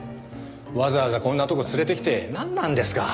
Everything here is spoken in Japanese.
わざわざこんなとこ連れて来てなんなんですか？